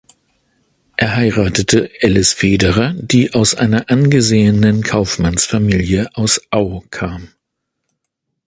Er heiratete Alice Federer, die aus einer angesehenen Kaufmannsfamilie aus Au kam.